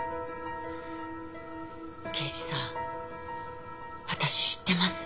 刑事さん私知ってます。